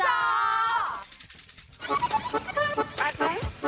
เจ้าแจ๊กริมจ่อ